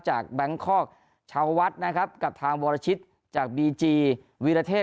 แบงคอกชาววัดนะครับกับทางวรชิตจากบีจีวีรเทพ